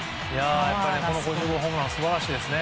この５０号ホームランは素晴らしいですね。